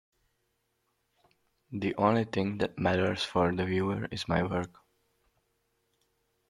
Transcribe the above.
The only thing that matters for the viewer is my work.